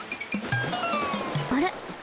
あれ？